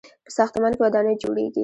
په ساختمان کې ودانۍ جوړیږي.